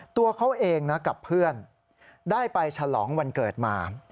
ตัวเขาเองนะกับเพื่อนได้ไปฉลองวันเกิดมา